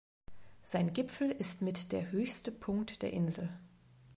Sein Gipfel ist mit der höchste Punkt der Insel.